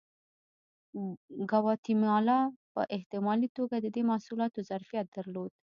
ګواتیمالا په احتمالي توګه د دې محصولاتو ظرفیت درلود.